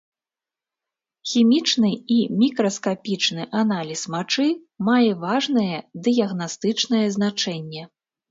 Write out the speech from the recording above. Хімічны і мікраскапічны аналіз мачы мае важнае дыягнастычнае значэнне.